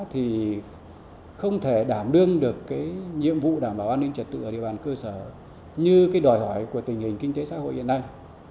thì không thể đảm đương được cái nhiệm vụ đảm bảo an ninh trật tự ở địa bàn cơ sở như cái đòi hỏi của tình hình kinh tế xã hội hiện nay